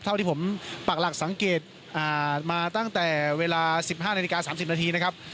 เท่าที่ผมปากหลักสังเกตมาตั้งแต่เวลา๑๕นาฬิกา๓๐นาทีนะครับ